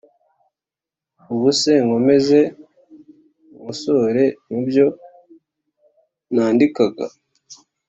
ubuse nkomeze nkosore mu byo nandikaga